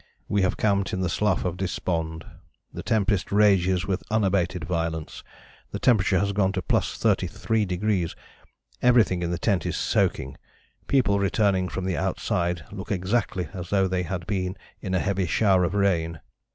We have camped in the 'Slough of Despond.' The tempest rages with unabated violence. The temperature has gone to +33°; everything in the tent is soaking. People returning from the outside look exactly as though they had been in a heavy shower of rain.